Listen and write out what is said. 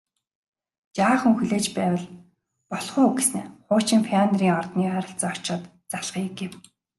Жаахан хүлээж байвал болох уу гэснээ хуучин Пионерын ордны ойролцоо очоод залгая гэв